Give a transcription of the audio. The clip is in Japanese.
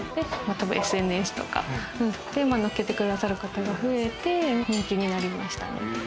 ＳＮＳとかに載っけて下さる方が増えて、人気になりました。